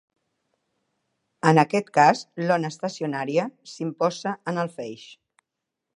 En aquest cas l'ona estacionària s'imposa en el feix.